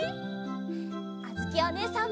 あづきおねえさんも！